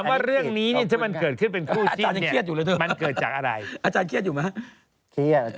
อาจารย์เครียดอยู่มั้ย